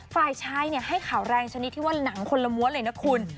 ฝ่ายชายให้ข่าวแรงชนิดที่ว่าหนังคนละม้วนเลยนะคุณ